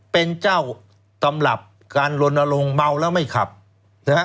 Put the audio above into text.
เป็นเจ้าตำรับการลนลงเมาแล้วไม่ขับนะฮะ